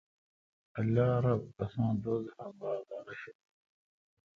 اللہ رب آسان دوزخ انگار دا رݭہ۔